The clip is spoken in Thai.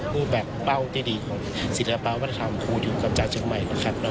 พูดแบบเป้าที่ดีให้สิทธิ์วันธรรมคูยดูกับจ่ายเชียงใหม่